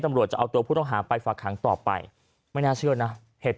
ตำรวจจะเอาตัวผู้ต้องหาไปฝากหางต่อไปไม่น่าเชื่อนะเหตุ